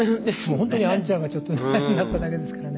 ほんとにあんちゃんがちょっとなっただけですからね。